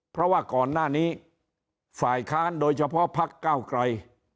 เพราะว่าก่อนหน้านี้ฝ่ายค้านโดยเฉพาะพักเก้าไกร